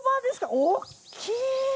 おっきい！